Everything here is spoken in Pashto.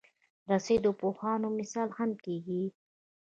رسۍ د پوهانو مثال هم کېږي.